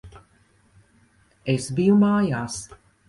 Es biju mājās.